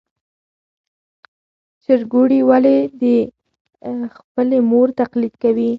چرګوړي ولې د خپلې مور تقلید کوي؟